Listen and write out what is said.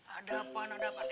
ada apaan ada apaan